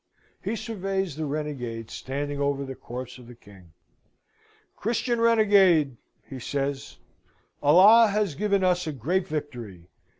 He surveys the renegade standing over the corpse of the King. "Christian renegade!" he says, "Allah has given us a great victory.